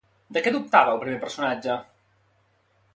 De què dubtava el primer personatge?